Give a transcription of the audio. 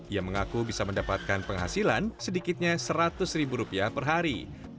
ia mengaku bisa mendapatkan penghasilan sedikitnya seratus ribu rupiah per hari